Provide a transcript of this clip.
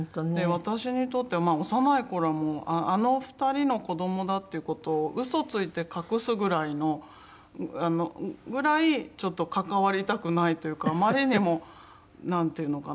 私にとっては幼い頃はもうあの２人の子どもだっていう事を嘘ついて隠すぐらいのぐらいちょっと関わりたくないというかあまりにもなんていうのかな